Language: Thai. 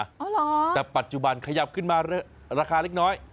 อ๋อเหรอแต่ปัจจุบันขยับขึ้นมาราคาเล็กน้อย